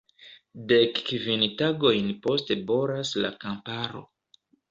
Dek kvin tagojn poste bolas la kamparo.